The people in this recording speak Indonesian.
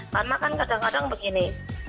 karena kan kadang kadang begini